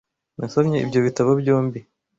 Nasomye ibyo bitabo byombi.